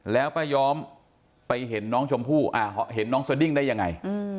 แล้วปะย้อมไปเห็นน้องสดิ้งได้ยังไง